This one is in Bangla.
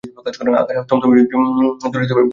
আকাশ থমথমে দূরে বিদ্যুৎ চমকাচ্ছে।